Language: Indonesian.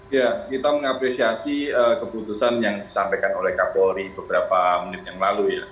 ya kita mengapresiasi keputusan yang disampaikan oleh kapolri beberapa menit yang lalu ya